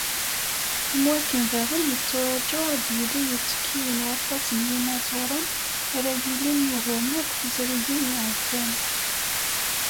Am wakken daɣen, yetturaǧu ad d-yili uttekki n waṭas n yinaẓuren, ara yilin yugaren akk tizrigin iɛeddan.